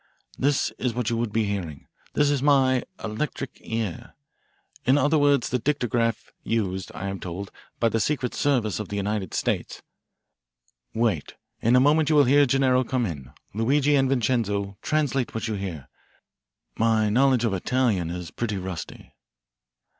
"This is what you would be hearing. This is my 'electric ear' in other words the dictograph, used, I am told, by the Secret Service of the United States. Wait, in a moment you will hear Gennaro come in. Luigi and Vincenzo, translate what you hear. My knowledge of Italian is pretty rusty."